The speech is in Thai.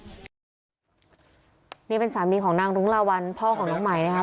นี่เป็นสามีของนางรุ้งลาวัลพ่อของน้องใหม่นะครับ